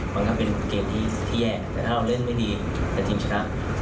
มันก็เป็นเกมที่แย่แต่ถ้าเราเล่นไม่ดีแต่ทีมชนะ